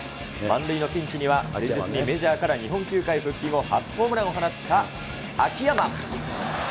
満塁のピンチには、前日にメジャーから日本球界復帰後、初ホームランを放った秋山。